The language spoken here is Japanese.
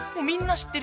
みんな。